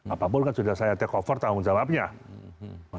apapun kan sudah saya take over tanggung jawabnya